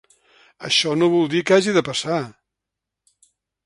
Això no vol dir que hagi de passar.